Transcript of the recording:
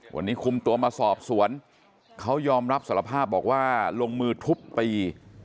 วันนี้คุมตัวมาสอบสวนเขายอมรับสารภาพบอกว่าลงมือทุบตี